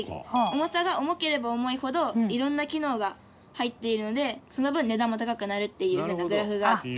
重さが重ければ重いほどいろんな機能が入っているのでその分値段も高くなるっていう風なグラフがあって。